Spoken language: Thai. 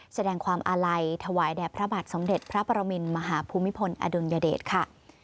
แสดงความอาลัยถวายแด่พระบาทสมเด็จพระปรมินมหาภูมิพลอดุลยเดชค่ะ